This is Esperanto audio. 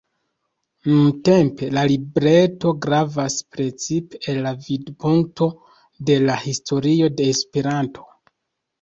Nuntempe la libreto gravas precipe el la vidpunkto de la historio de Esperanto.